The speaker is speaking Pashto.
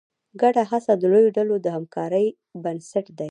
ګډه هڅه د لویو ډلو د همکارۍ بنسټ دی.